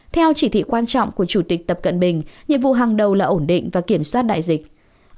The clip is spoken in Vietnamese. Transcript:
theo chỉ thị quan trọng của chủ tịch tập cận bình nhiệm vụ hàng đầu là ổn định và kiểm soát đại dịch